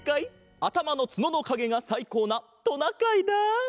あたまのつののかげがさいこうなトナカイだ。